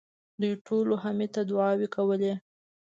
دوی ټولو حميد ته دعاوې کولې.